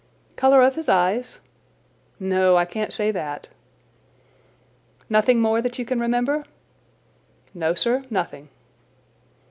"Colour of his eyes?" "No, I can't say that." "Nothing more that you can remember?" "No, sir; nothing."